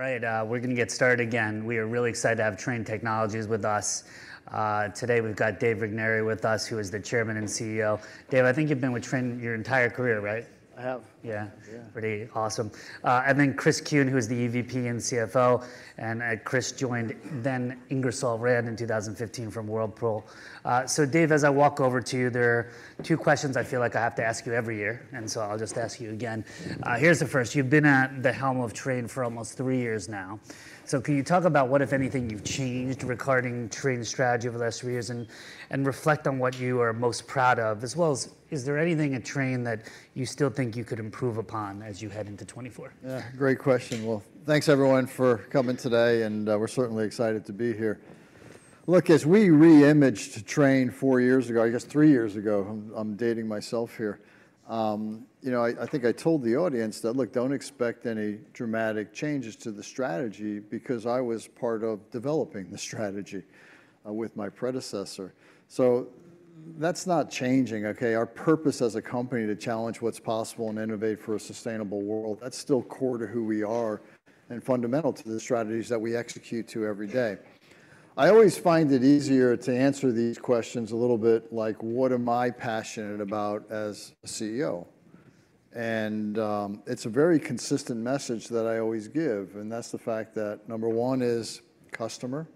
All right, we're gonna get started again. We are really excited to have Trane Technologies with us. Today we've got Dave Regnery with us, who is the Chairman and CEO. Dave, I think you've been with Trane your entire career, right? I have. Yeah. Yeah. Pretty awesome. And then Chris Kuehn, who is the EVP and CFO, and, Chris joined then Ingersoll Rand in 2015 from Whirlpool. So Dave, as I walk over to you, there are two questions I feel like I have to ask you every year, and so I'll just ask you again. Mm-hmm. Here's the first: You've been at the helm of Trane for almost three years now. So can you talk about what, if anything, you've changed regarding Trane's strategy over the last three years, and, and reflect on what you are most proud of? As well as, is there anything at Trane that you still think you could improve upon as you head into 2024? Yeah, great question. Well, thanks, everyone, for coming today, and we're certainly excited to be here. Look, as we re-imaged Trane four years ago, I guess three years ago, I'm dating myself here, you know, I think I told the audience that, "Look, don't expect any dramatic changes to the strategy," because I was part of developing the strategy with my predecessor. So that's not changing, okay? Our purpose as a company, to challenge what's possible and innovate for a sustainable world, that's still core to who we are and fundamental to the strategies that we execute every day. I always find it easier to answer these questions a little bit like: What am I passionate about as a CEO? And it's a very consistent message that I always give, and that's the fact that number one is customer.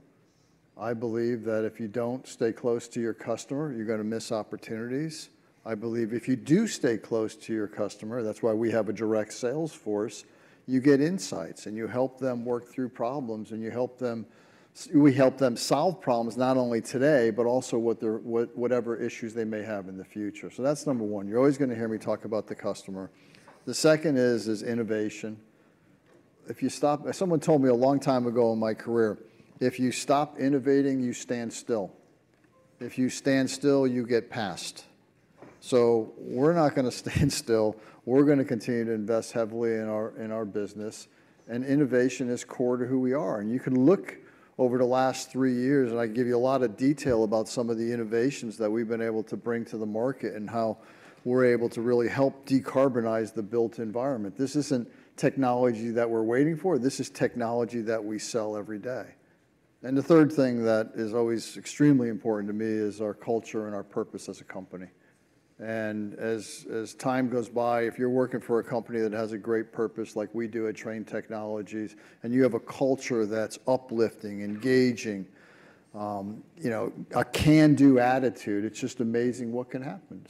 I believe that if you don't stay close to your customer, you're gonna miss opportunities. I believe if you do stay close to your customer, that's why we have a direct sales force, you get insights, and you help them work through problems, and we help them solve problems, not only today, but also whatever issues they may have in the future. So that's number one. You're always gonna hear me talk about the customer. The second is innovation. If you stop-- Someone told me a long time ago in my career, "If you stop innovating, you stand still. If you stand still, you get passed." So we're not gonna stand still. We're gonna continue to invest heavily in our, in our business, and innovation is core to who we are. You can look over the last three years, and I can give you a lot of detail about some of the innovations that we've been able to bring to the market and how we're able to really help decarbonize the built environment. This isn't technology that we're waiting for. This is technology that we sell every day. The third thing that is always extremely important to me is our culture and our purpose as a company. As time goes by, if you're working for a company that has a great purpose like we do at Trane Technologies, and you have a culture that's uplifting, engaging, you know, a can-do attitude, it's just amazing what can happen.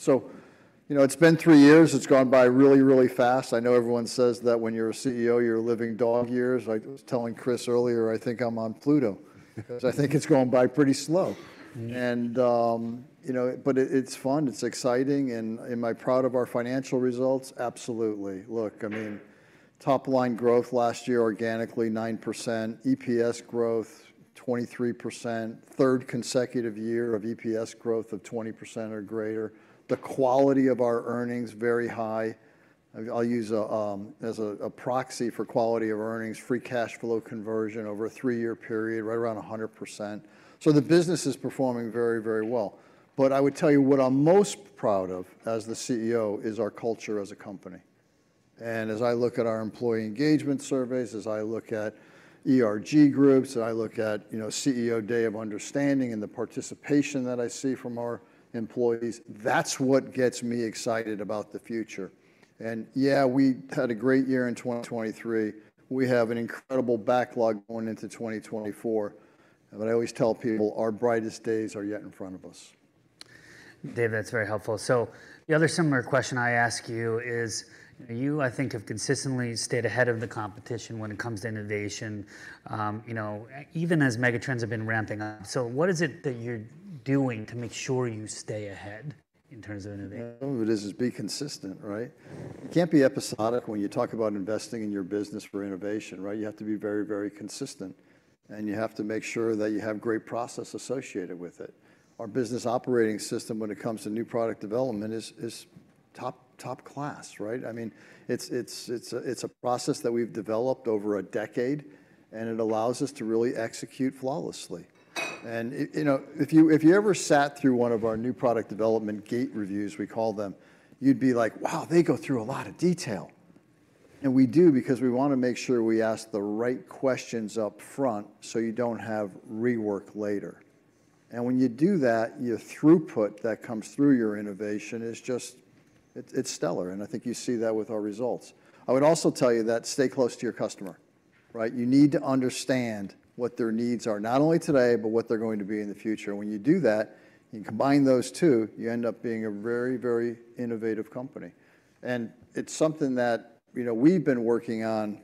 You know, it's been three years. It's gone by really, really fast. I know everyone says that when you're a CEO, you're living dog years. I was telling Chris earlier, I think I'm on Pluto-... 'cause I think it's going by pretty slow. Mm-hmm. And, you know, but it, it's fun, it's exciting, and am I proud of our financial results? Absolutely. Look, I mean, top-line growth last year, organically, 9%; EPS growth, 23%; third consecutive year of EPS growth of 20% or greater. The quality of our earnings, very high. I'll use as a proxy for quality of earnings, free cash flow conversion over a three-year period, right around 100%. So the business is performing very, very well. But I would tell you what I'm most proud of as the CEO is our culture as a company. And as I look at our employee engagement surveys, as I look at ERG groups, as I look at, you know, CEO Day of Understanding and the participation that I see from our employees, that's what gets me excited about the future. Yeah, we had a great year in 2023. We have an incredible backlog going into 2024. But I always tell people, "Our brightest days are yet in front of us. Dave, that's very helpful. So the other similar question I ask you is, you, I think, have consistently stayed ahead of the competition when it comes to innovation, you know, even as mega trends have been ramping up. So what is it that you're doing to make sure you stay ahead in terms of innovation? Well, it is to be consistent, right? You can't be episodic when you talk about investing in your business for innovation, right? You have to be very, very consistent, and you have to make sure that you have great process associated with it. Our Business Operating System, when it comes to new product development, is, is top, top class, right? I mean, it's, it's, it's a, it's a process that we've developed over a decade, and it allows us to really execute flawlessly. And it, you know, if you, if you ever sat through one of our new product development gate reviews, we call them, you'd be like: "Wow, they go through a lot of detail!" And we do because we wanna make sure we ask the right questions up front, so you don't have rework later. And when you do that, your throughput that comes through your innovation is just... It's, it's stellar, and I think you see that with our results. I would also tell you that, stay close to your customer, right? You need to understand what their needs are, not only today, but what they're going to be in the future. When you do that, you combine those two, you end up being a very, very innovative company. And it's something that, you know, we've been working on,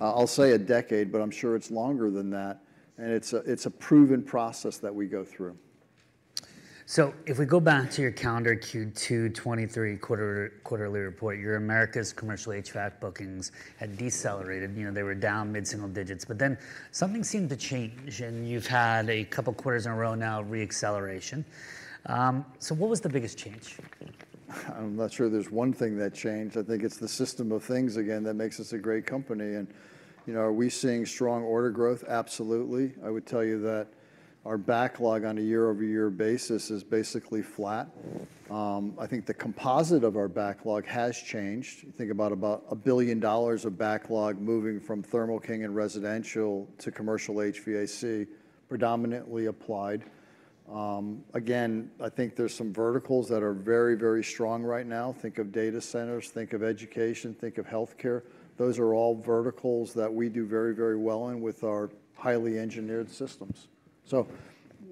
I'll say a decade, but I'm sure it's longer than that, and it's a proven process that we go through. If we go back to your calendar Q2 2023 quarterly report, your Americas Commercial HVAC bookings had decelerated. You know, they were down mid-single digits, but then something seemed to change, and you've had a couple quarters in a row now of re-acceleration. What was the biggest change? I'm not sure there's one thing that changed. I think it's the system of things, again, that makes us a great company. You know, are we seeing strong order growth? Absolutely. I would tell you that our backlog on a year-over-year basis is basically flat. I think the composite of our backlog has changed. I think about, about $1 billion of backlog moving from Thermo King and residential to commercial HVAC, predominantly applied. Again, I think there's some verticals that are very, very strong right now. Think of data centers, think of education, think of healthcare. Those are all verticals that we do very, very well in with our highly engineered systems. So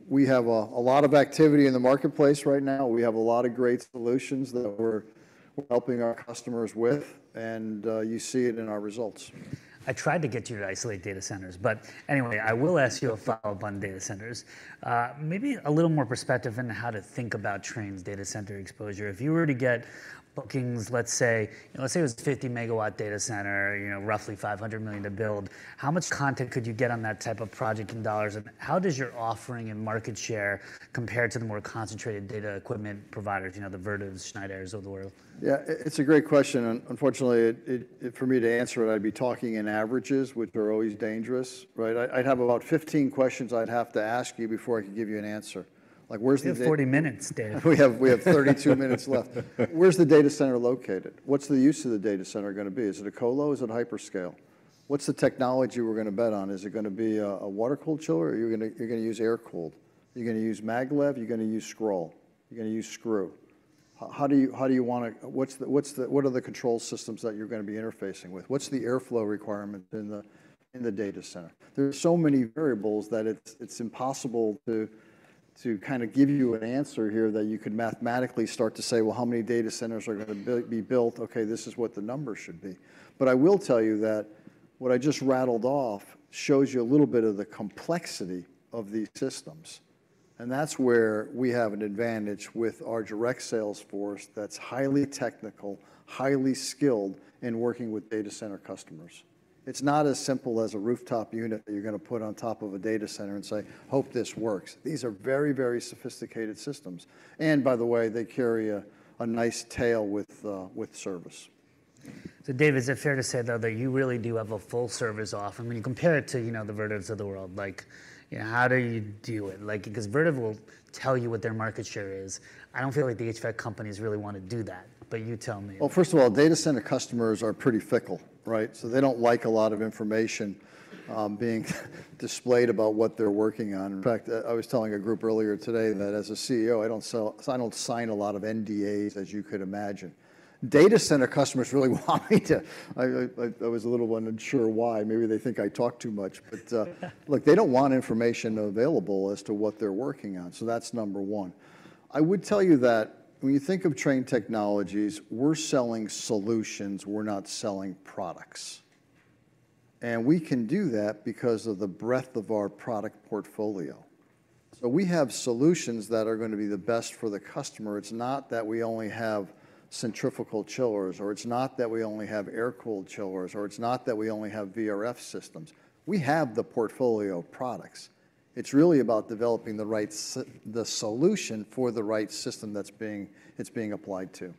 we have a lot of activity in the marketplace right now. We have a lot of great solutions that we're helping our customers with, and you see it in our results. I tried to get you to isolate data centers, but anyway, I will ask you a follow-up on data centers. Maybe a little more perspective into how to think about Trane's data center exposure. If you were to get bookings, let's say, let's say it was a 50 MW data center, you know, roughly $500 million to build, how much content could you get on that type of project in dollars? And how does your offering and market share compare to the more concentrated data equipment providers, you know, the Vertiv, Schneiders of the world? Yeah, it's a great question, and unfortunately, for me to answer it, I'd be talking in averages, which are always dangerous, right? I'd have about 15 questions I'd have to ask you before I could give you an answer. Like, where's the- We have 40 minutes, Dave. We have 32 minutes left. Where's the data center located? What's the use of the data center gonna be? Is it a colo? Is it hyperscale? What's the technology we're gonna bet on? Is it gonna be a water-cooled chiller, or are you gonna use air-cooled? Are you gonna use maglev? Are you gonna use scroll? You're gonna use screw. How do you wanna—what are the control systems that you're gonna be interfacing with? What's the airflow requirement in the data center? There are so many variables that it's impossible to kind of give you an answer here that you could mathematically start to say, "Well, how many data centers are gonna be built? Okay, this is what the numbers should be." But I will tell you that what I just rattled off shows you a little bit of the complexity of these systems, and that's where we have an advantage with our direct sales force that's highly technical, highly skilled in working with data center customers. It's not as simple as a rooftop unit that you're gonna put on top of a data center and say, "Hope this works." These are very, very sophisticated systems, and by the way, they carry a nice tail with service. So, Dave, is it fair to say, though, that you really do have a full service offer? I mean, you compare it to, you know, the Vertivs of the world, like, you know, how do you do it? Like, because Vertiv will tell you what their market share is. I don't feel like the HVAC companies really wanna do that, but you tell me. Well, first of all, data center customers are pretty fickle, right? So they don't like a lot of information being displayed about what they're working on. In fact, I was telling a group earlier today that as a CEO, I don't sell - I don't sign a lot of NDAs, as you could imagine. Data center customers really want me to... I was a little unsure why. Maybe they think I talk too much. But look, they don't want information available as to what they're working on, so that's number one. I would tell you that when you think of Trane Technologies, we're selling solutions, we're not selling products. And we can do that because of the breadth of our product portfolio. So we have solutions that are gonna be the best for the customer. It's not that we only have centrifugal chillers, or it's not that we only have air-cooled chillers, or it's not that we only have VRF systems. We have the portfolio of products. It's really about developing the right solution for the right system that's being applied to.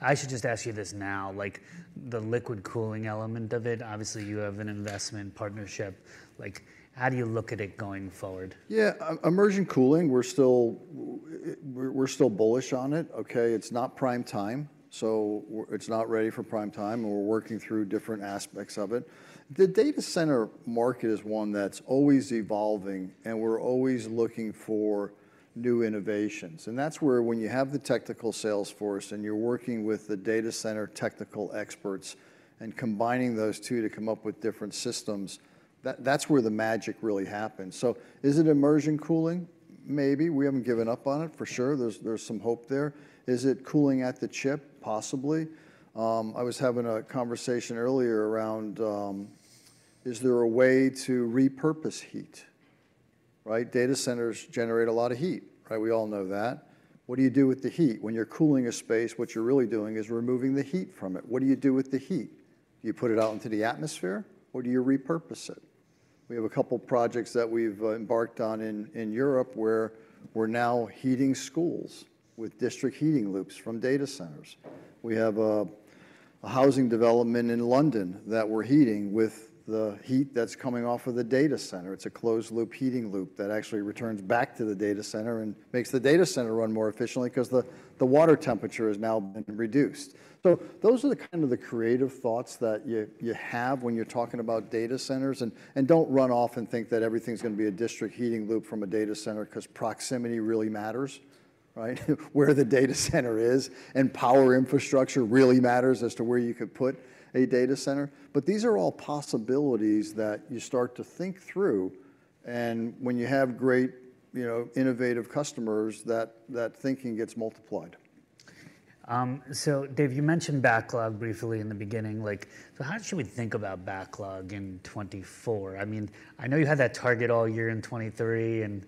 I should just ask you this now, like, the liquid cooling element of it, obviously, you have an investment partnership. Like, how do you look at it going forward? Yeah, immersion cooling, we're still bullish on it, okay? It's not ready for prime time, and we're working through different aspects of it. The data center market is one that's always evolving, and we're always looking for new innovations. That's where when you have the technical sales force, and you're working with the data center technical experts and combining those two to come up with different systems, that's where the magic really happens. So is it immersion cooling? Maybe. We haven't given up on it, for sure. There's some hope there. Is it cooling at the chip? Possibly. I was having a conversation earlier around is there a way to repurpose heat, right? Data centers generate a lot of heat, right? We all know that. What do you do with the heat? When you're cooling a space, what you're really doing is removing the heat from it. What do you do with the heat? Do you put it out into the atmosphere, or do you repurpose it? We have a couple projects that we've embarked on in Europe where we're now heating schools with district heating loops from data centers. We have a housing development in London that we're heating with the heat that's coming off of the data center. It's a closed-loop heating loop that actually returns back to the data center and makes the data center run more efficiently 'cause the water temperature has now been reduced. So those are the kind of the creative thoughts that you have when you're talking about data centers. And don't run off and think that everything's gonna be a district heating loop from a data center, 'cause proximity really matters, right? Where the data center is, and power infrastructure really matters as to where you could put a data center. But these are all possibilities that you start to think through, and when you have great, you know, innovative customers, that thinking gets multiplied. So, Dave, you mentioned backlog briefly in the beginning. Like, so how should we think about backlog in 2024? I mean, I know you had that target all year in 2023, and,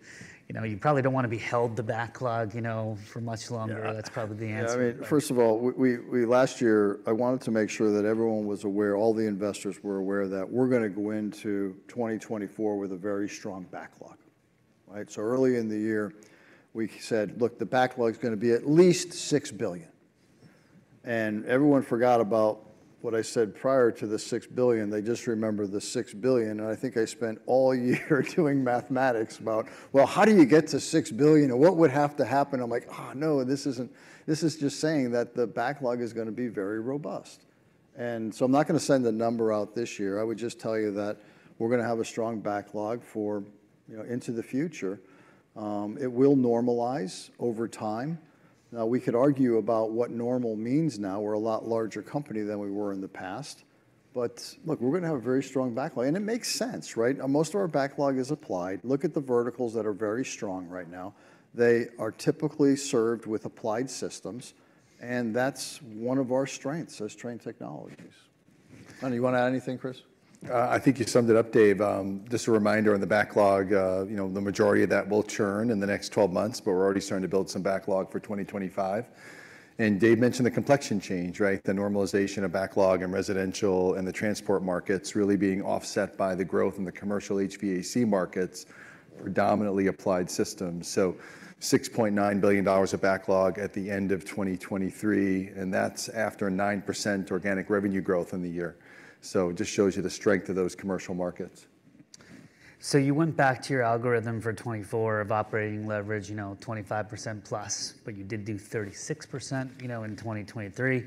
you know, you probably don't want to be held to backlog, you know, for much longer. Yeah. That's probably the answer. Yeah, I mean, first of all, we last year, I wanted to make sure that everyone was aware, all the investors were aware, that we're gonna go into 2024 with a very strong backlog, right? So early in the year, we said, "Look, the backlog's gonna be at least $6 billion." And everyone forgot about what I said prior to the $6 billion. They just remember the $6 billion, and I think I spent all year doing mathematics about, well, how do you get to $6 billion, and what would have to happen? I'm like, "Oh, no, this isn't... This is just saying that the backlog is gonna be very robust."... and so I'm not gonna send the number out this year. I would just tell you that we're gonna have a strong backlog for, you know, into the future. It will normalize over time. Now, we could argue about what normal means now. We're a lot larger company than we were in the past, but look, we're gonna have a very strong backlog, and it makes sense, right? Most of our backlog is applied. Look at the verticals that are very strong right now. They are typically served with Applied Systems, and that's one of our strengths, is Trane Technologies. Andy, you wanna add anything, Chris? I think you summed it up, Dave. Just a reminder on the backlog, you know, the majority of that will churn in the next 12 months, but we're already starting to build some backlog for 2025. And Dave mentioned the complexion change, right? The normalization of backlog and residential and the transport markets really being offset by the growth in the commercial HVAC markets, predominantly Applied Systems. So $6.9 billion of backlog at the end of 2023, and that's after a 9% organic revenue growth in the year. So just shows you the strength of those commercial markets. So you went back to your algorithm for 2024 of operating leverage, you know, 25%+, but you did do 36%, you know, in 2023.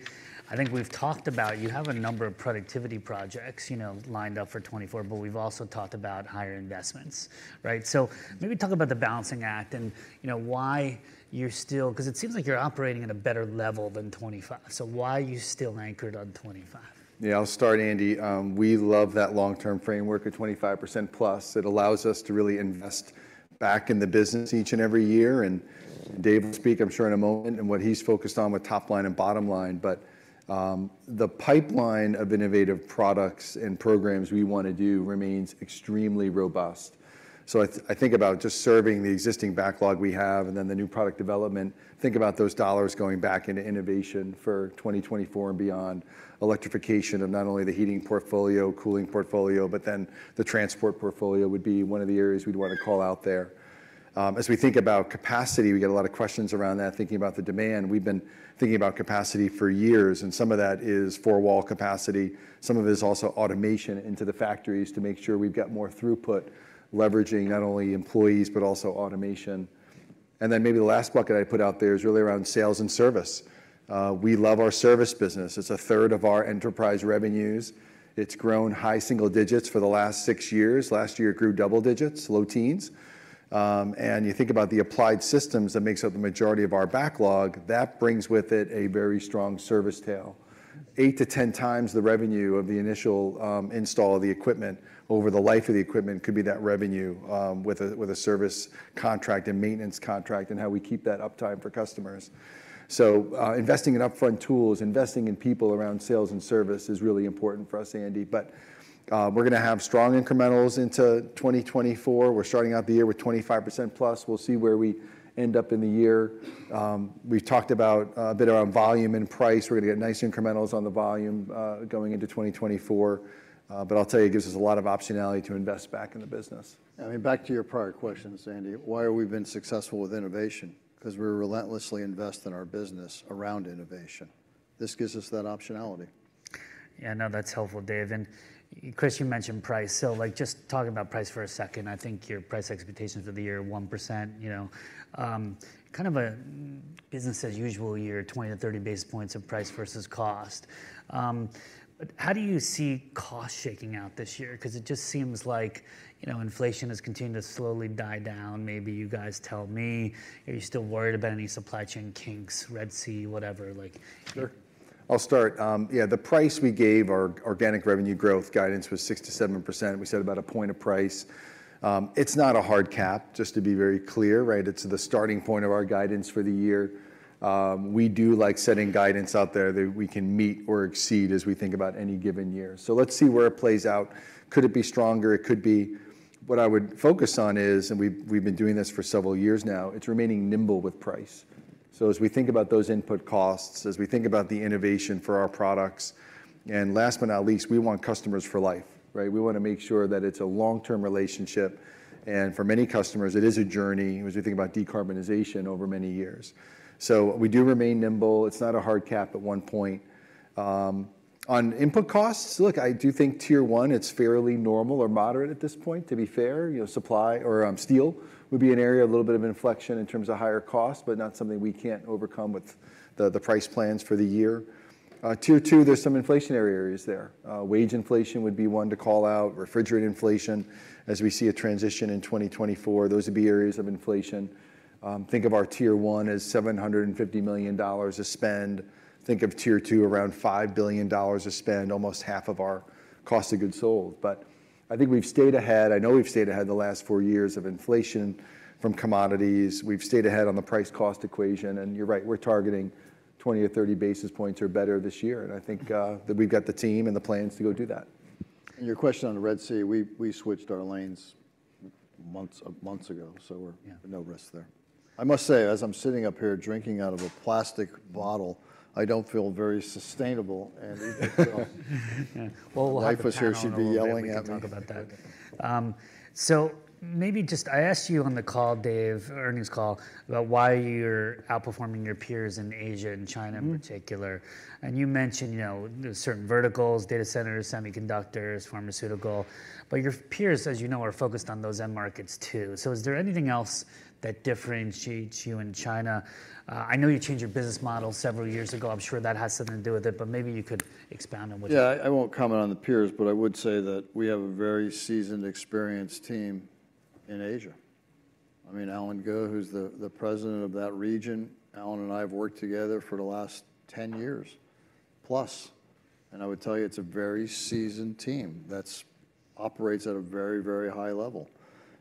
I think we've talked about you have a number of productivity projects, you know, lined up for 2024, but we've also talked about higher investments, right? So maybe talk about the balancing act and, you know, why you're still... 'cause it seems like you're operating at a better level than 25%, so why are you still anchored on 25%? Yeah, I'll start, Andy. We love that long-term framework of 25%+. It allows us to really invest back in the business each and every year, and Dave will speak, I'm sure, in a moment, and what he's focused on with top line and bottom line. But the pipeline of innovative products and programs we wanna do remains extremely robust. So I think about just serving the existing backlog we have and then the new product development. Think about those dollars going back into innovation for 2024 and beyond. Electrification of not only the heating portfolio, cooling portfolio, but then the transport portfolio would be one of the areas we'd want to call out there. As we think about capacity, we get a lot of questions around that, thinking about the demand. We've been thinking about capacity for years, and some of that is four-wall capacity. Some of it is also automation into the factories to make sure we've got more throughput, leveraging not only employees, but also automation. And then maybe the last bucket I'd put out there is really around sales and service. We love our service business. It's a third of our enterprise revenues. It's grown high single digits for the last six years. Last year, it grew double digits, low teens. And you think about the Applied Systems that makes up the majority of our backlog, that brings with it a very strong service tail. 8x-10x the revenue of the initial install of the equipment over the life of the equipment could be that revenue with a service contract and maintenance contract, and how we keep that uptime for customers. So, investing in upfront tools, investing in people around sales and service is really important for us, Andy. But, we're gonna have strong incrementals into 2024. We're starting out the year with 25%+. We'll see where we end up in the year. We've talked about a bit around volume and price. We're gonna get nice incrementals on the volume going into 2024, but I'll tell you, it gives us a lot of optionality to invest back in the business. I mean, back to your prior question, Andy, why have we been successful with innovation? 'Cause we relentlessly invest in our business around innovation. This gives us that optionality. Yeah, no, that's helpful, Dave. And Chris, you mentioned price, so, like, just talking about price for a second, I think your price expectations of the year are 1%, you know. Kind of a business-as-usual year, 20 basis points-30 basis points of price versus cost. But how do you see cost shaking out this year? 'Cause it just seems like, you know, inflation has continued to slowly die down. Maybe you guys tell me, are you still worried about any supply chain kinks, Red Sea, whatever, like... I'll start. Yeah, the price we gave our organic revenue growth guidance was 6%-7%. We said about 1 point of price. It's not a hard cap, just to be very clear, right? It's the starting point of our guidance for the year. We do like setting guidance out there that we can meet or exceed as we think about any given year. So let's see where it plays out. Could it be stronger? It could be. What I would focus on is, and we've, we've been doing this for several years now, it's remaining nimble with price. So as we think about those input costs, as we think about the innovation for our products, and last but not least, we want customers for life, right? We wanna make sure that it's a long-term relationship, and for many customers, it is a journey, as we think about decarbonization over many years. So we do remain nimble. It's not a hard cap at one point. On input costs, look, I do think Tier 1, it's fairly normal or moderate at this point, to be fair. You know, supply or, steel would be an area of a little bit of inflection in terms of higher cost, but not something we can't overcome with the, the price plans for the year. Tier 2, there's some inflationary areas there. Wage inflation would be one to call out, refrigerant inflation. As we see a transition in 2024, those would be areas of inflation. Think of our Tier 1 as $750 million of spend. Think of Tier 2, around $5 billion of spend, almost half of our cost of goods sold. But I think we've stayed ahead. I know we've stayed ahead the last four years of inflation from commodities. We've stayed ahead on the price-cost equation, and you're right, we're targeting 20 basis points-30 basis points or better this year, and I think that we've got the team and the plans to go do that. Your question on the Red Sea, we switched our lanes months ago, so we're- Yeah... no risk there. I must say, as I'm sitting up here drinking out of a plastic bottle, I don't feel very sustainable, Andy. Well- My wife was here, she'd be yelling at me. We'll talk about that. So maybe just, I asked you on the call, Dave, our earnings call, about why you're outperforming your peers in Asia and China in particular. Mm. You mentioned, you know, there's certain verticals, data centers, semiconductors, pharmaceutical, but your peers, as you know, are focused on those end markets, too. Is there anything else that differentiates you in China? I know you changed your business model several years ago. I'm sure that has something to do with it, but maybe you could expand on what- Yeah, I won't comment on the peers, but I would say that we have a very seasoned, experienced team in Asia. I mean, Allen Ge, who's the President of that region, Alan and I have worked together for the last 10+ years, and I would tell you, it's a very seasoned team that operates at a very, very high level.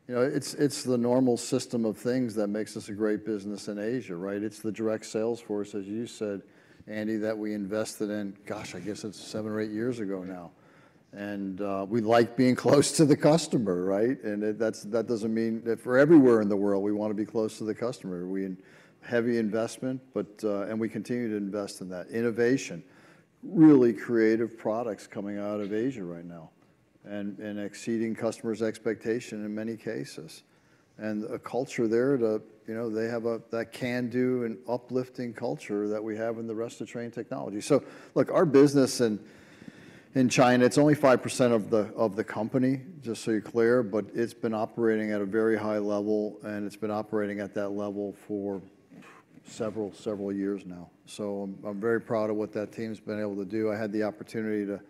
You know, it's the normal system of things that makes us a great business in Asia, right? It's the direct sales force, as you said, Andy, that we invested in, gosh, I guess it's seven or eight years ago now. And we like being close to the customer, right? And that's, that doesn't mean that for everywhere in the world, we want to be close to the customer. We heavy investment, but and we continue to invest in that. Innovation, really creative products coming out of Asia right now and exceeding customers' expectation in many cases. And a culture there to, you know, they have a, that can-do and uplifting culture that we have in the rest of Trane Technologies. So look, our business in China, it's only 5% of the company, just so you're clear, but it's been operating at a very high level, and it's been operating at that level for several years now. So I'm very proud of what that team's been able to do. I had the opportunity to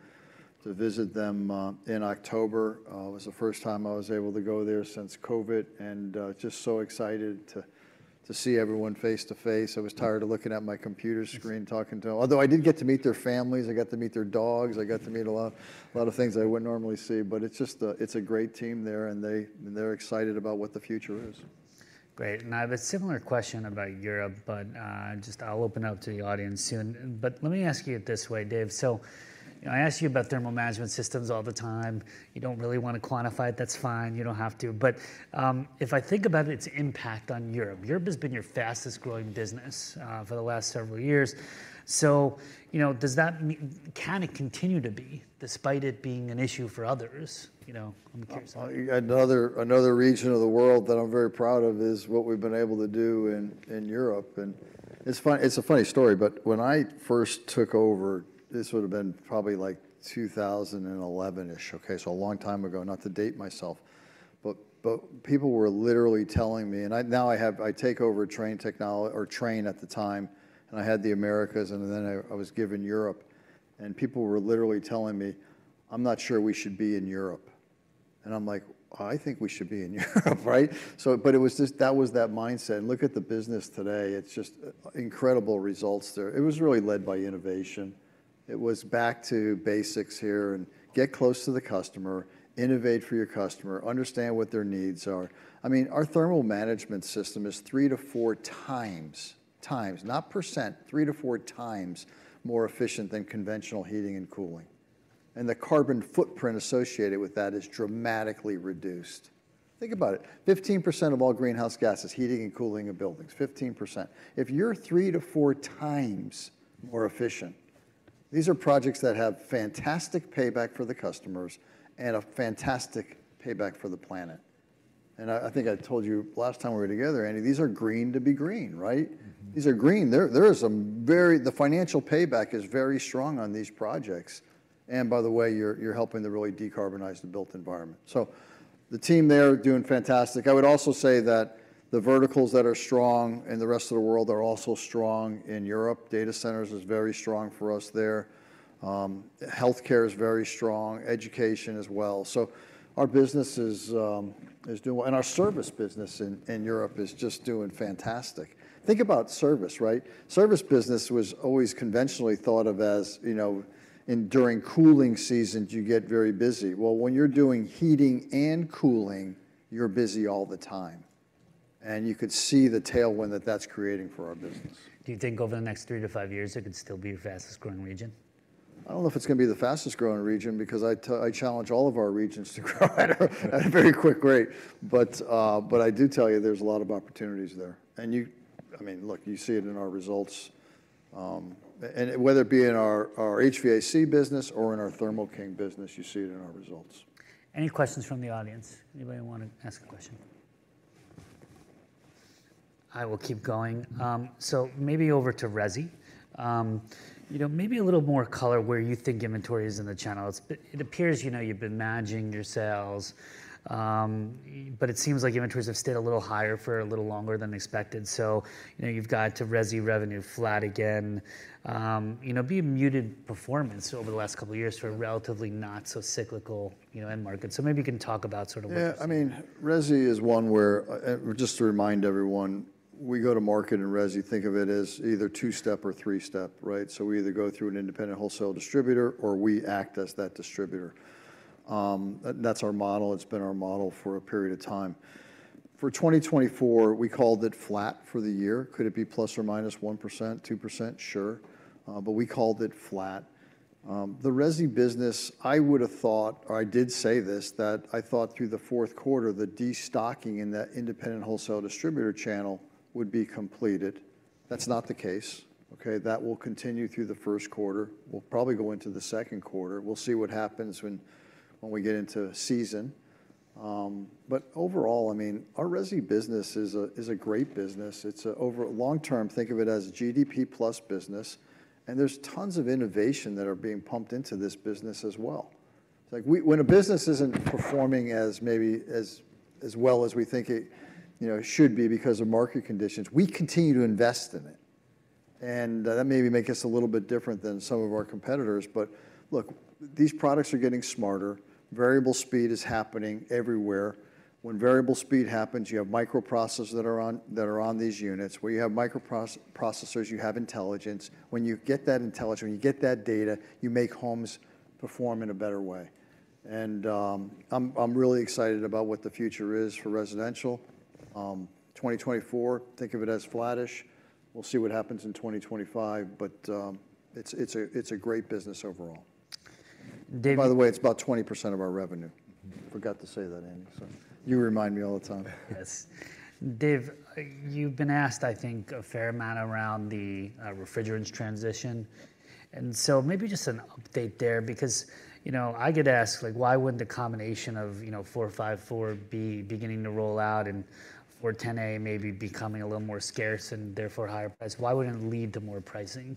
visit them in October. It was the first time I was able to go there since COVID, and just so excited to see everyone face to face. I was tired of looking at my computer screen, talking to... Although I did get to meet their families, I got to meet their dogs, I got to meet a lot, a lot of things I wouldn't normally see. But it's just a great team there, and they're excited about what the future is. Great. I have a similar question about Europe, but just I'll open it up to the audience soon. But let me ask you it this way, Dave. So, you know, I ask you about thermal management systems all the time. You don't really want to quantify it, that's fine, you don't have to. But if I think about its impact on Europe, Europe has been your fastest-growing business for the last several years. So, you know, does that mean, can it continue to be, despite it being an issue for others? You know, I'm curious. Another region of the world that I'm very proud of is what we've been able to do in Europe, and it's fun, it's a funny story, but when I first took over, this would've been probably, like, 2011-ish. Okay, so a long time ago, not to date myself. But people were literally telling me. And now I have, I take over Trane Technologies, or Trane at the time, and I had the Americas, and then I was given Europe, and people were literally telling me, "I'm not sure we should be in Europe." And I'm like: "I think we should be in Europe," right? So but it was just, that was that mindset, and look at the business today. It's just incredible results there. It was really led by innovation. It was back to basics here, and get close to the customer, innovate for your customer, understand what their needs are. I mean, our thermal management system is 3-4 times, not percent, 3-4 times more efficient than conventional heating and cooling, and the carbon footprint associated with that is dramatically reduced. Think about it, 15% of all greenhouse gas is heating and cooling of buildings, 15%. If you're 3-4 times more efficient, these are projects that have fantastic payback for the customers and a fantastic payback for the planet. And I think I told you last time we were together, Andy, these are green to be green, right? Mm-hmm. These are green. There is some very strong financial payback on these projects, and by the way, you're helping to really decarbonize the built environment. So the team there are doing fantastic. I would also say that the verticals that are strong in the rest of the world are also strong in Europe. Data centers is very strong for us there. Healthcare is very strong, education as well. So our business is doing, and our service business in Europe is just doing fantastic. Think about service, right? Service business was always conventionally thought of as, you know, in during cooling seasons, you get very busy. Well, when you're doing heating and cooling, you're busy all the time, and you could see the tailwind that that's creating for our business. Do you think over the next three to five years, it could still be your fastest-growing region? I don't know if it's gonna be the fastest-growing region because I challenge all of our regions to grow at a very quick rate. But I do tell you there's a lot of opportunities there. And you, I mean, look, you see it in our results. And whether it be in our HVAC business or in our Thermo King business, you see it in our results. Any questions from the audience? Anybody want to ask a question? I will keep going. Mm-hmm. So maybe over to resi. You know, maybe a little more color where you think inventory is in the channels. It appears, you know, you've been managing your sales, but it seems like inventories have stayed a little higher for a little longer than expected. So, you know, you've got resi revenue flat again. You know, be a muted performance over the last couple of years for a relatively not so cyclical, you know, end market. So maybe you can talk about sort of what you see in that. Yeah, I mean, resi is one where, just to remind everyone, we go to market in resi, think of it as either two-step or three-step, right? So we either go through an independent wholesale distributor, or we act as that distributor. That's our model. It's been our model for a period of time. For 2024, we called it flat for the year. Could it be ±1%, ±2%? Sure, but we called it flat. The resi business, I would have thought, or I did say this, that I thought through the fourth quarter, the destocking in that independent wholesale distributor channel would be completed. That's not the case, okay? That will continue through the first quarter. We'll probably go into the second quarter. We'll see what happens when, when we get into season. But overall, I mean, our Resi business is a great business. It's long term, think of it as a GDP-plus business, and there's tons of innovation that are being pumped into this business as well. It's like when a business isn't performing as maybe as well as we think it, you know, should be because of market conditions, we continue to invest in it, and that maybe make us a little bit different than some of our competitors. But look, these products are getting smarter. Variable speed is happening everywhere. When variable speed happens, you have microprocessors that are on these units. Where you have microprocessors, you have intelligence. When you get that intelligence, when you get that data, you make homes perform in a better way. I'm really excited about what the future is for residential. 2024, think of it as flattish. We'll see what happens in 2025, but it's a great business overall. Dave- By the way, it's about 20% of our revenue. Forgot to say that, Andy, so you remind me all the time. Yes. Dave, you've been asked, I think, a fair amount around the, refrigerant transition, and so maybe just an update there, because, you know, I get asked, like, why wouldn't the combination of, you know, 454B beginning to roll out and 410A maybe becoming a little more scarce and therefore higher priced, why wouldn't it lead to more pricing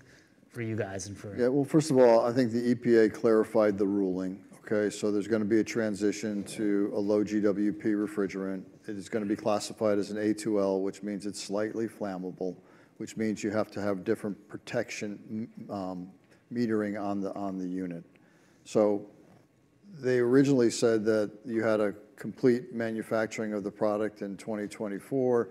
for you guys and for- Yeah, well, first of all, I think the EPA clarified the ruling, okay? So there's gonna be a transition to a low GWP refrigerant. It is gonna be classified as an A2L, which means it's slightly flammable, which means you have to have different protection, metering on the unit. So they originally said that you had a complete manufacturing of the product in 2024,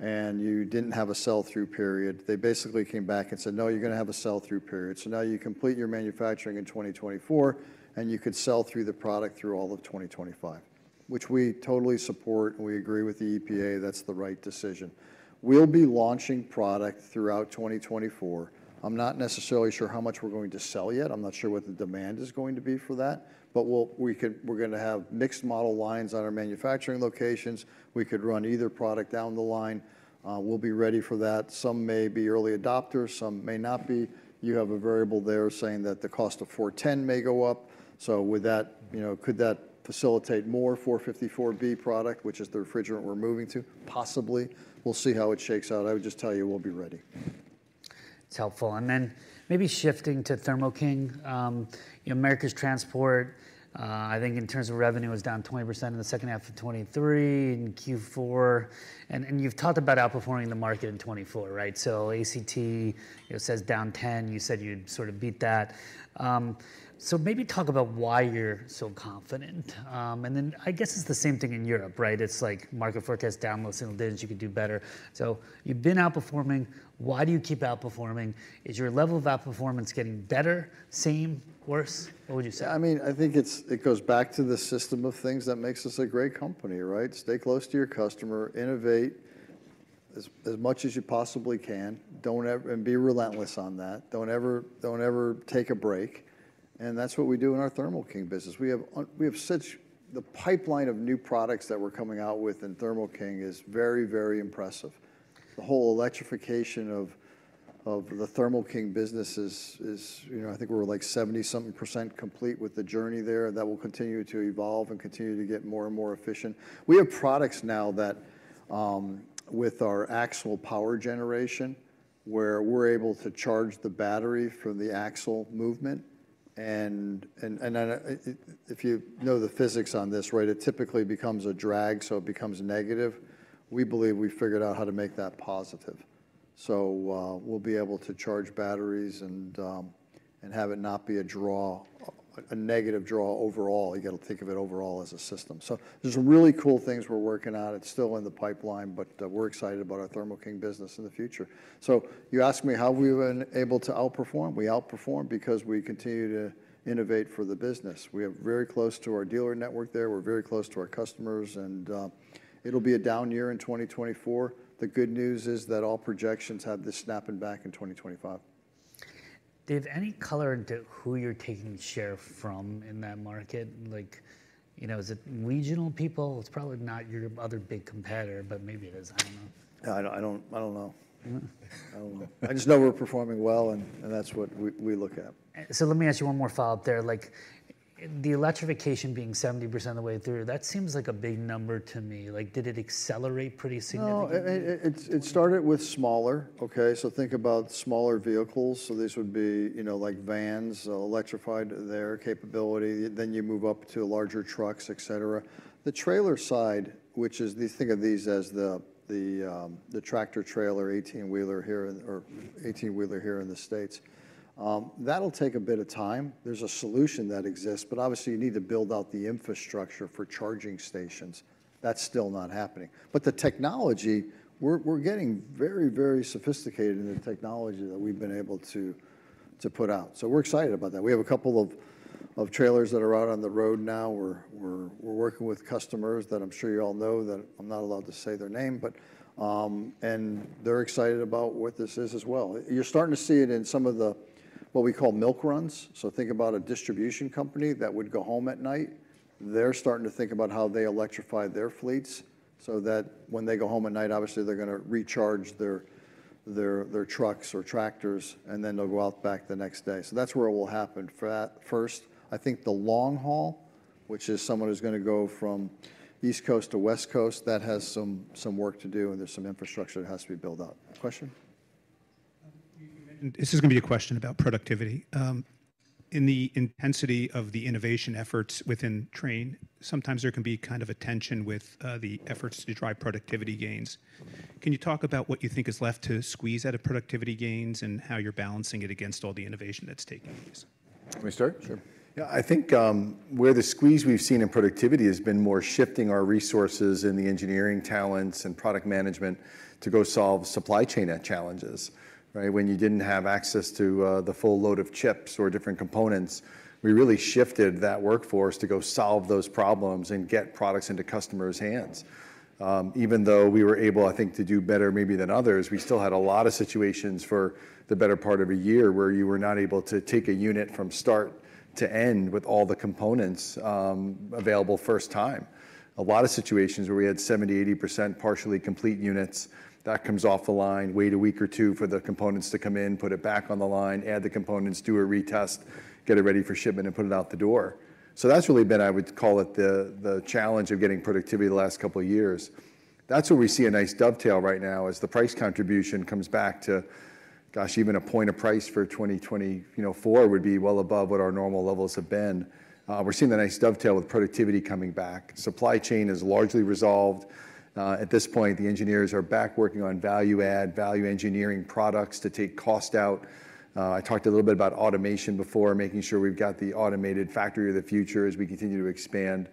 and you didn't have a sell-through period. They basically came back and said: "No, you're gonna have a sell-through period." So now you complete your manufacturing in 2024, and you could sell through the product through all of 2025, which we totally support, and we agree with the EPA. That's the right decision. We'll be launching product throughout 2024. I'm not necessarily sure how much we're going to sell yet. I'm not sure what the demand is going to be for that, but we're gonna have mixed model lines on our manufacturing locations. We could run either product down the line. We'll be ready for that. Some may be early adopters, some may not be. You have a variable there saying that the cost of 410A may go up, so would that... You know, could that facilitate more 454B product, which is the refrigerant we're moving to? Possibly. We'll see how it shakes out. I would just tell you we'll be ready. It's helpful. Then maybe shifting to Thermo King, you know, Americas transport, I think in terms of revenue, is down 20% in the second half of 2023 and Q4. And you've talked about outperforming the market in 2024, right? ACT, you know, says down 10%. You said you'd sort of beat that. So maybe talk about why you're so confident. And then I guess it's the same thing in Europe, right? It's like market forecast down, low single digits, you could do better. So you've been outperforming. Why do you keep outperforming? Is your level of outperformance getting better, same, worse? What would you say? I mean, I think it goes back to the system of things that makes us a great company, right? Stay close to your customer, innovate as much as you possibly can. Don't ever... be relentless on that. Don't ever, don't ever take a break, and that's what we do in our Thermo King business. We have such... The pipeline of new products that we're coming out with in Thermo King is very, very impressive. The whole electrification of the Thermo King business is, you know, I think we're, like, 70% complete with the journey there, and that will continue to evolve and continue to get more and more efficient. We have products now that, with our AxlePower generation, where we're able to charge the battery from the axle movement, and if you know the physics on this, right, it typically becomes a drag, so it becomes negative. We believe we've figured out how to make that positive. So, we'll be able to charge batteries and have it not be a draw, a negative draw overall. You gotta think of it overall as a system. So there's some really cool things we're working on. It's still in the pipeline, but, we're excited about our Thermo King business in the future. So you asked me, how have we been able to outperform? We outperform because we continue to innovate for the business. We are very close to our dealer network there, we're very close to our customers, and, it'll be a down year in 2024. The good news is that all projections have this snapping back in 2025. Dave, any color into who you're taking share from in that market? Like, you know, is it regional people? It's probably not your other big competitor, but maybe it is. I don't know. I don't know. Mm-hmm. I don't know. I just know we're performing well, and, and that's what we, we look at. Let me ask you one more follow-up there. Like, the electrification being 70% of the way through, that seems like a big number to me. Like, did it accelerate pretty significantly? No, it started with smaller, okay? So think about smaller vehicles. So this would be, you know, like vans, electrified their capability, then you move up to larger trucks, etc. The trailer side, which is the... Think of these as the tractor-trailer, 18-wheeler here in the States. That'll take a bit of time. There's a solution that exists, but obviously you need to build out the infrastructure for charging stations. That's still not happening. But the technology, we're getting very, very sophisticated in the technology that we've been able to put out. So we're excited about that. We have a couple of trailers that are out on the road now. We're working with customers that I'm sure you all know, that I'm not allowed to say their name, but... And they're excited about what this is as well. You're starting to see it in some of the, what we call milk runs. So think about a distribution company that would go home at night. They're starting to think about how they electrify their fleets so that when they go home at night, obviously they're gonna recharge their trucks or tractors, and then they'll go out back the next day. So that's where it will happen first. I think the long haul, which is someone who's gonna go from East Coast to West Coast, that has some work to do, and there's some infrastructure that has to be built up. Question? You mentioned—this is gonna be a question about productivity. In the intensity of the innovation efforts within Trane, sometimes there can be kind of a tension with the efforts to drive productivity gains. Can you talk about what you think is left to squeeze out of productivity gains and how you're balancing it against all the innovation that's taking place? Can we start? Sure. Yeah, I think where the squeeze we've seen in productivity has been more shifting our resources and the engineering talents and product management to go solve supply chain challenges, right? When you didn't have access to the full load of chips or different components, we really shifted that workforce to go solve those problems and get products into customers' hands. Even though we were able, I think, to do better maybe than others, we still had a lot of situations for the better part of a year, where you were not able to take a unit from start to end with all the components available first time. A lot of situations where we had 70%-80% partially complete units, that comes off the line, wait a week or two for the components to come in, put it back on the line, add the components, do a retest, get it ready for shipment, and put it out the door. So that's really been, I would call it, the challenge of getting productivity the last couple of years. That's where we see a nice dovetail right now, as the price contribution comes back to, gosh, even a point of price for 2024 would be well above what our normal levels have been. We're seeing the nice dovetail with productivity coming back. Supply chain is largely resolved. At this point, the engineers are back working on value add, value engineering products to take cost out. I talked a little bit about automation before, making sure we've got the automated factory of the future as we continue to expand.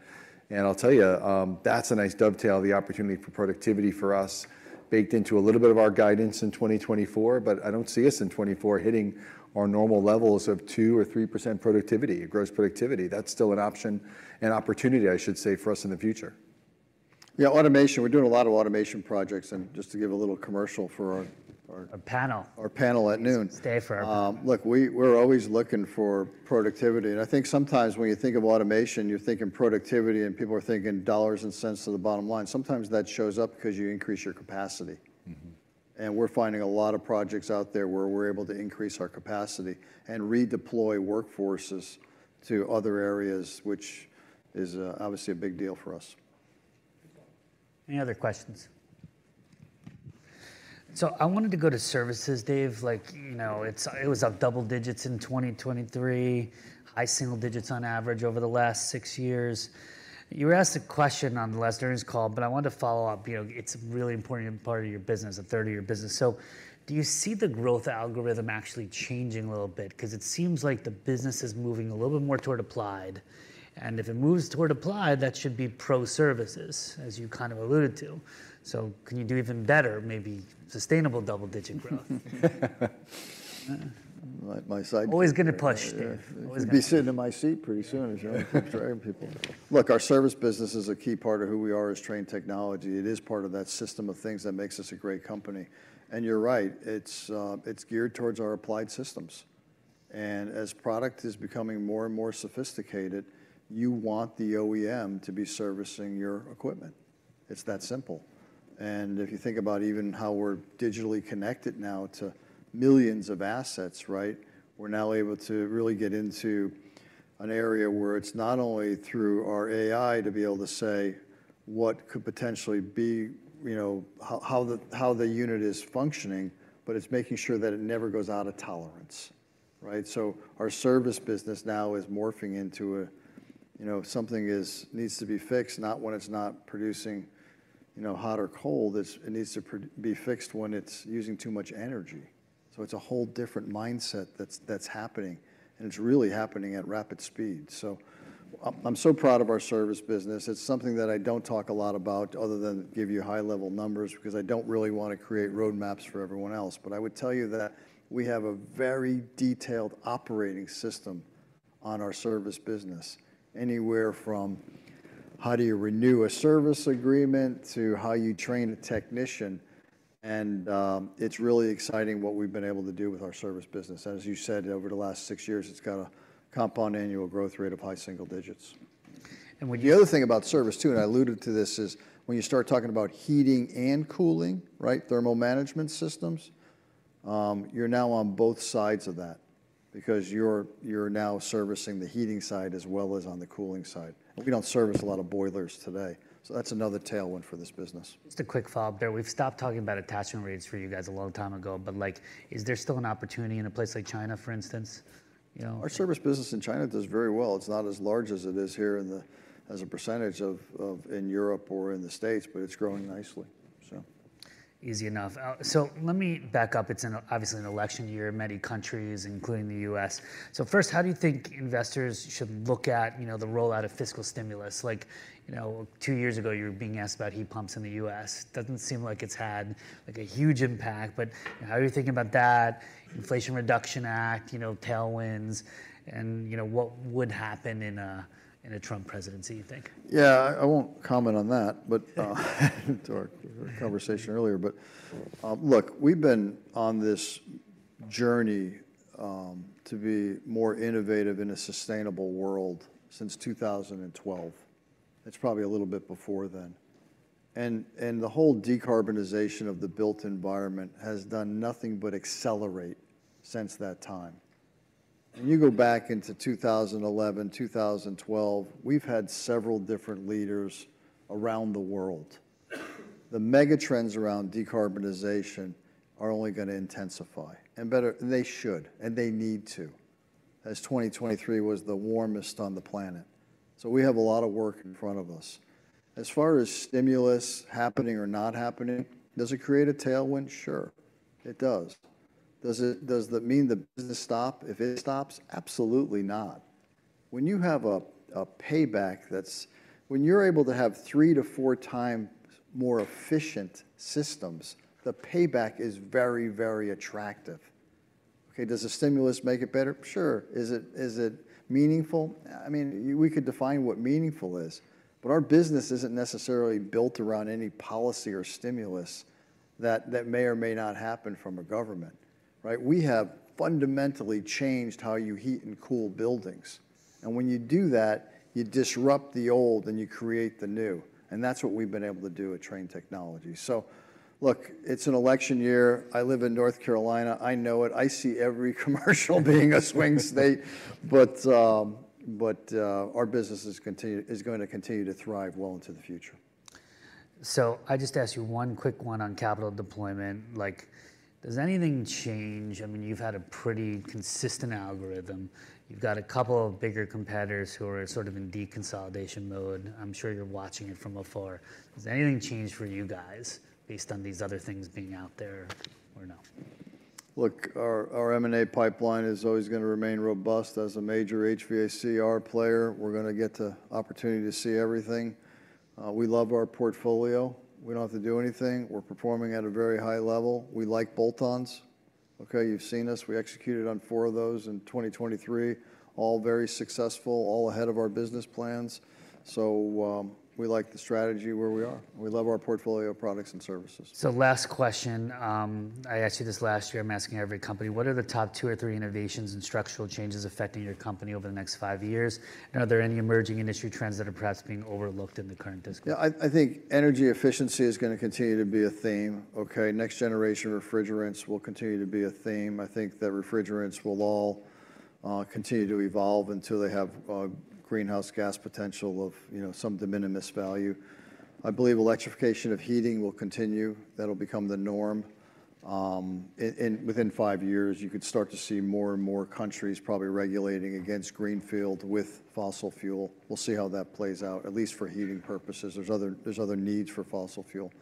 And I'll tell you, that's a nice dovetail, the opportunity for productivity for us, baked into a little bit of our guidance in 2024, but I don't see us in 2024 hitting our normal levels of 2% or 3% productivity, gross productivity. That's still an option, an opportunity, I should say, for us in the future. Yeah, automation, we're doing a lot of automation projects, and just to give a little commercial for our... Our panel our panel at noon. Stay for our panel. Look, we're always looking for productivity, and I think sometimes when you think of automation, you're thinking productivity, and people are thinking dollars and cents to the bottom line. Sometimes that shows up because you increase your capacity. Mm-hmm. We're finding a lot of projects out there where we're able to increase our capacity and redeploy workforces to other areas, which is obviously a big deal for us. Any other questions? So I wanted to go to services, Dave. Like, you know, it was up double digits in 2023, high single digits on average over the last six years. You were asked a question on the last earnings call, but I wanted to follow up. You know, it's a really important part of your business, a third of your business. So do you see the growth algorithm actually changing a little bit? Because it seems like the business is moving a little bit more toward applied, and if it moves toward applied, that should be pro services, as you kind of alluded to. So can you do even better, maybe sustainable double-digit growth? My side- Always gonna push, Dave. Always- He'll be sitting in my seat pretty soon as you're driving people. Look, our service business is a key part of who we are as Trane Technologies. It is part of that system of things that makes us a great company. And you're right, it's geared towards our Applied Systems. And as product is becoming more and more sophisticated, you want the OEM to be servicing your equipment. It's that simple. And if you think about even how we're digitally connected now to millions of assets, right? We're now able to really get into an area where it's not only through our AI to be able to say what could potentially be, you know, how the unit is functioning, but it's making sure that it never goes out of tolerance, right? So our service business now is morphing into a... You know, if something needs to be fixed, not when it's not producing, you know, hot or cold, it needs to be fixed when it's using too much energy. So it's a whole different mindset that's happening, and it's really happening at rapid speed. So I'm so proud of our service business. It's something that I don't talk a lot about other than give you high-level numbers, because I don't really want to create roadmaps for everyone else. But I would tell you that we have a very detailed operating system on our service business, anywhere from how do you renew a service agreement to how you train a technician, and it's really exciting what we've been able to do with our service business. As you said, over the last six years, it's got a compound annual growth rate of high single digits. And when you- The other thing about service, too, and I alluded to this, is when you start talking about heating and cooling, right, thermal management systems, you're now on both sides of that because you're now servicing the heating side as well as on the cooling side. We don't service a lot of boilers today, so that's another tailwind for this business. Just a quick follow-up there. We've stopped talking about attachment rates for you guys a long time ago, but, like, is there still an opportunity in a place like China, for instance, you know? Our service business in China does very well. It's not as large as it is here in the, as a percentage of, of in Europe or in the States, but it's growing nicely, so. Easy enough. So let me back up. It's obviously an election year, many countries, including the U.S. So first, how do you think investors should look at, you know, the rollout of fiscal stimulus? Like, you know, two years ago, you were being asked about heat pumps in the U.S. Doesn't seem like it's had, like, a huge impact, but how are you thinking about that? Inflation Reduction Act, you know, tailwinds, and, you know, what would happen in a, in a Trump presidency, you think? Yeah, I won't comment on that, but to our conversation earlier, but look, we've been on this journey to be more innovative in a sustainable world since 2012. It's probably a little bit before then. And the whole decarbonization of the built environment has done nothing but accelerate since that time. When you go back into 2011, 2012, we've had several different leaders around the world, the mega trends around decarbonization are only gonna intensify, and better, and they should, and they need to, as 2023 was the warmest on the planet. So we have a lot of work in front of us. As far as stimulus happening or not happening, does it create a tailwind? Sure, it does. Does it, does that mean the business stop if it stops? Absolutely not. When you have a payback that's... When you're able to have 3-4 times more efficient systems, the payback is very, very attractive. Okay, does a stimulus make it better? Sure. Is it meaningful? I mean, we could define what meaningful is, but our business isn't necessarily built around any policy or stimulus that may or may not happen from a government, right? We have fundamentally changed how you heat and cool buildings. And when you do that, you disrupt the old and you create the new, and that's what we've been able to do at Trane Technologies. So look, it's an election year. I live in North Carolina. I know it. I see every commercial being a swing state. But our business is going to continue to thrive well into the future. I just ask you one quick one on capital deployment. Like, does anything change? I mean, you've had a pretty consistent algorithm. You've got a couple of bigger competitors who are sort of in deconsolidation mode. I'm sure you're watching it from afar. Does anything change for you guys based on these other things being out there or no? Look, our, our M&A pipeline is always gonna remain robust. As a major HVACR player, we're gonna get the opportunity to see everything. We love our portfolio. We don't have to do anything. We're performing at a very high level. We like bolt-ons. Okay, you've seen us. We executed on four of those in 2023, all very successful, all ahead of our business plans. So, we like the strategy where we are, and we love our portfolio of products and services. Last question, I asked you this last year, I'm asking every company: What are the top two or three innovations and structural changes affecting your company over the next five years? And are there any emerging industry trends that are perhaps being overlooked in the current discourse? Yeah, I think energy efficiency is gonna continue to be a theme, okay? Next-generation refrigerants will continue to be a theme. I think the refrigerants will all continue to evolve until they have a greenhouse gas potential of, you know, some de minimis value. I believe electrification of heating will continue. That'll become the norm. Within five years, you could start to see more and more countries probably regulating against greenfield with fossil fuel. We'll see how that plays out, at least for heating purposes. There's other needs for fossil fuel.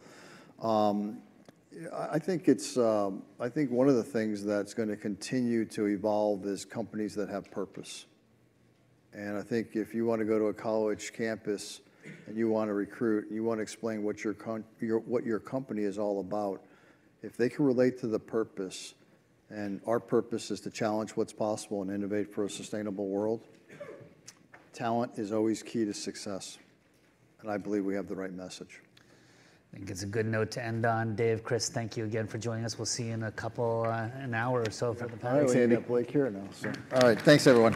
I think one of the things that's gonna continue to evolve is companies that have purpose. And I think if you want to go to a college campus, and you want to recruit, and you want to explain what your company is all about, if they can relate to the purpose, and our purpose is to challenge what's possible and innovate for a sustainable world, talent is always key to success, and I believe we have the right message. I think it's a good note to end on. Dave, Chris, thank you again for joining us. We'll see you in a couple, an hour or so for the-... Blake here now, so. All right, thanks, everyone.